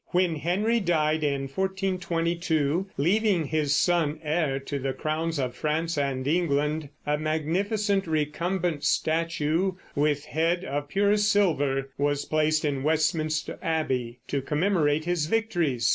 When Henry died in 1422, leaving his son heir to the crowns of France and England, a magnificent recumbent statue with head of pure silver was placed in Westminster Abbey to commemorate his victories.